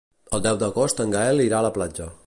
El deu d'agost en Gaël irà a la platja.